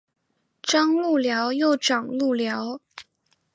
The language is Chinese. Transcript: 张路寮又掌路寮。